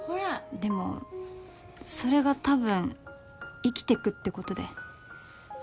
でもそれがたぶん生きてくってことで。